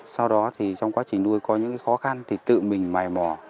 sau đó thì trong quá trình nuôi có những khó khăn thì tự mình mài mỏ